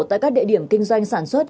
tại các địa điểm kinh doanh sản xuất